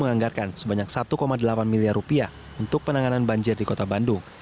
menganggarkan sebanyak satu delapan miliar rupiah untuk penanganan banjir di kota bandung